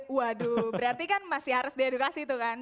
waduh berarti kan masih harus di edukasi itu kan